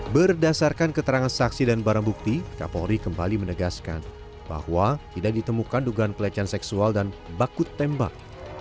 berdasarkan keterangan saksi dan barang bukti kapolri kembali menegaskan bahwa tidak ditemukan dugaan pelecehan seksual dan baku tembak